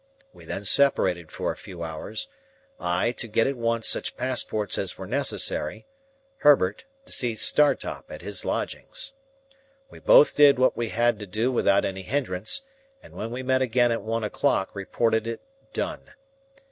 We then separated for a few hours: I, to get at once such passports as were necessary; Herbert, to see Startop at his lodgings. We both did what we had to do without any hindrance, and when we met again at one o'clock reported it done.